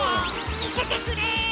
みせてくれ。